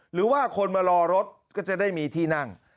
หรือว่าคนมารอรถก็จะได้มีที่นั่ง